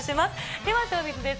ではショービズです。